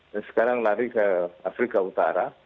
dan sekarang lari ke afrika utara